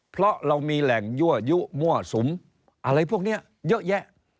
เพราะเรามีแหล่งยั่วยุมั่วสุมอะไรพวกนี้เยอะแยะ